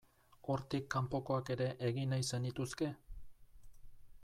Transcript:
Hortik kanpokoak ere egin nahi zenituzke?